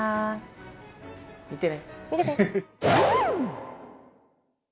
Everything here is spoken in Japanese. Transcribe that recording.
見てね。